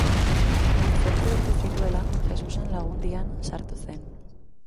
Hemezortzi urte zituela, Jesusen Lagundian sartu zen.